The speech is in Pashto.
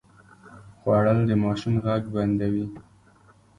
خوړل د ماشوم غږ بندوي